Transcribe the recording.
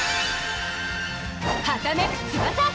はためく翼！